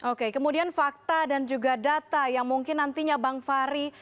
oke kemudian fakta dan juga data yang mungkin nantinya bang fahri